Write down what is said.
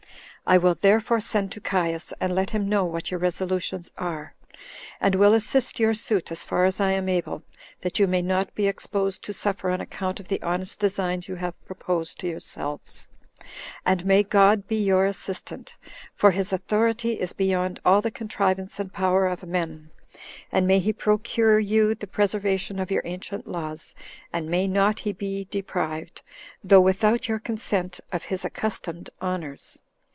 I will, therefore, send to Caius, and let him know what your resolutions are, and will assist your suit as far as I am able, that you may not be exposed to suffer on account of the honest designs you have proposed to yourselves; and may God be your assistant, for his authority is beyond all the contrivance and power of men; and may he procure you the preservation of your ancient laws, and may not he be deprived, though without your consent, of his accustomed honors.